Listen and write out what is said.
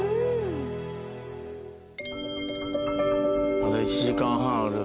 まだ１時間半ある。